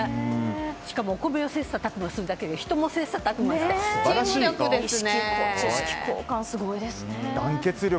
しかもお米を切磋琢磨するだけでなく人も切磋琢磨してチーム力でね。